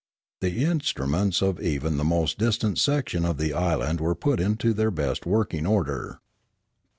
The instruments of even the most distant section of the island were put into their best working order.